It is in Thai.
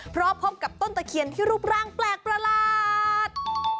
เพราะพบกับต้นตะเคียนที่รูปร่างแปลกประหลาด